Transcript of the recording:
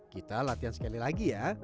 kita latihan sekali lagi ya